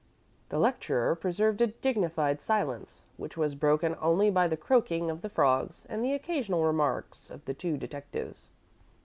The lecturer preserved a dignified silence, which was broken only by the croaking of the frogs and the occasional remarks of the two detectives.